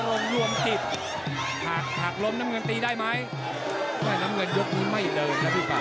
วงรวมจิตหักหักลมน้ำเงินตีได้ไหมแม่น้ำเงินยกนี้ไม่เดินนะพี่ป่า